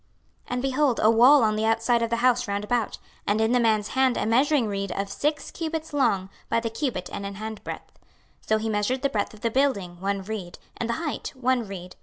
26:040:005 And behold a wall on the outside of the house round about, and in the man's hand a measuring reed of six cubits long by the cubit and an hand breadth: so he measured the breadth of the building, one reed; and the height, one reed.